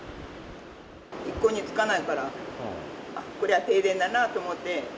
一向につかないから、こりゃ停電だなと思って。